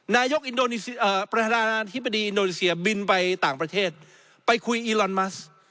ประธานาธิบดีอินโดนีเซียบินไปต่างประเทศไปคุยอีลอนมัส